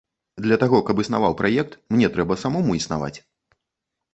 Для таго, каб існаваў праект, мне трэба самому існаваць.